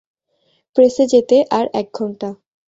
প্রেসে যেতে আর এক ঘণ্টা।